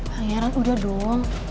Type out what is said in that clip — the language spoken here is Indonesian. pangeran udah dong